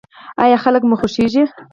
ایا خلک مو خوښیږي؟